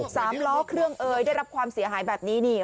สามล้อเครื่องเอ่ยได้รับความเสียหายแบบนี้นี่